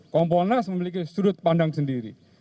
kompolnas memiliki sudut pandang sendiri